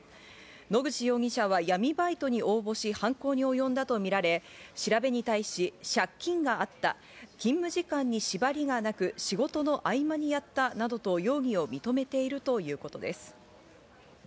野口容疑者は闇バイトに応募し、犯行に及んだとみられ、調べに対し、借金があった、勤務時間に縛りがなく、仕事の合間にやったなどと容疑を認めているということです。